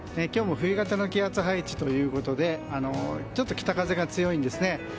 今日も冬型の気圧配置ということでちょっと北風が強いんですね。